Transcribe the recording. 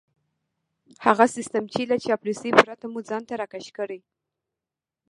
هغه سيستم چې له چاپلوسۍ پرته مو ځان ته راکش کړي.